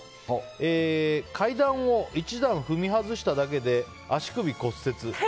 階段を１段、踏み外しただけで足首骨折。